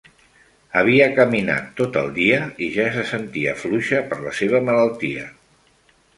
Havia caminat tot el dia i ja se sentia fluixa per la seva malaltia.